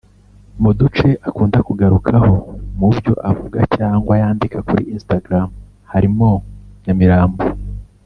Mu duce akunda kugarukaho mu byo avuga cyangwa yandika kuri Instagram harimo Nyamirambo